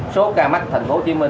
số ca mắc tp hcm